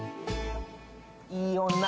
いい女。